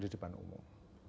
di depan umum